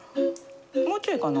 もうちょいかな？